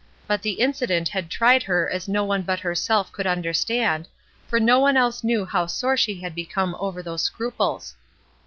But the incident had tried her as no one but herself could understand, for no one else knew how sore she had become over those scruples.